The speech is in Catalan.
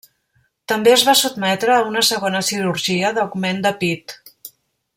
També es va sotmetre a una segona cirurgia d'augment de pit.